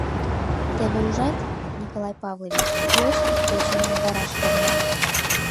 — Теве ужат, Николай Павлович, уэш ик кечым йомдараш перна.